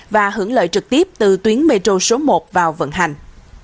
và hưởng lợi trực tiếp từ tuyến metro số một vào vận hành